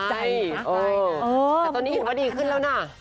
แต่ตอนนี้เห็นว่าดีขึ้นแล้วนะ